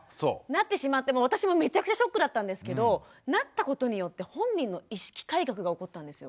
なってしまって私もめちゃくちゃショックだったんですけどなったことによって本人の意識改革が起こったんですよ。